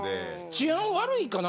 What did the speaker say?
治安悪いかな？